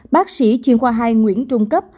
bác sĩ chuyên khoa hai nguyễn trung cấp